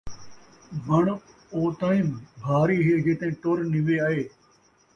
وݨ او تئیں بھاری ہے جے تئیں ٹر نوّے آئے